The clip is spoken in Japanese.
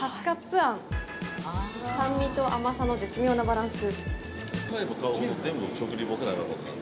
酸味と甘さの絶妙なバランス。